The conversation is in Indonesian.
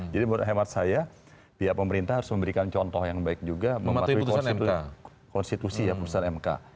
jadi menurut hemat saya pihak pemerintah harus memberikan contoh yang baik juga mematuhi konstitusi ya putusan mk